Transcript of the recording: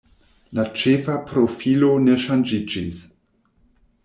La ĉefa profilo ne ŝanĝiĝis.